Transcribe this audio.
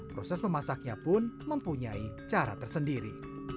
proses memasaknya pun mempunyai cara tersendiri